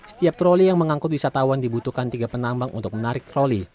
setiap troli yang mengangkut wisatawan dibutuhkan tiga penambang untuk menarik troli